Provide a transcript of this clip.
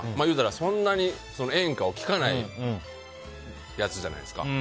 言うたら、そんなに演歌を聴かないやつじゃないですか。